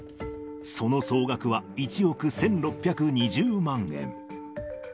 その総額は１億１６２０万円。